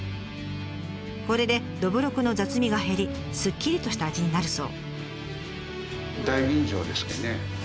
これでどぶろくの雑味が減りすっきりとした味になるそう。